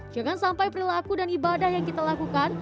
jangan sampai perilaku dan ibadah yang kita lakukan